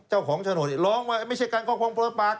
เจ้าของฉโนตลองว่าไม่ใช่การขอบครองประปรากฏ